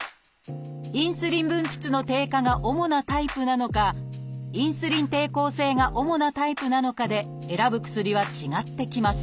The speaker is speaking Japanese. インスリン分泌の低下が主なタイプなのかインスリン抵抗性が主なタイプなのかで選ぶ薬は違ってきます。